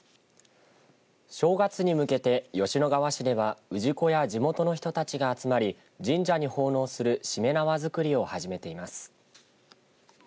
正月に向けて吉野川市では氏子や地元の人たちが集まり神社に奉納するしめ縄作りを始めています。